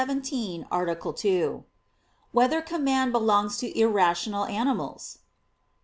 17, Art. 2] Whether Command Belongs to Irrational Animals?